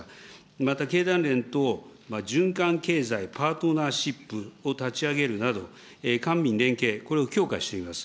また経団連と循環経済パートナーシップを立ち上げるなど、官民連携、これを強化しています。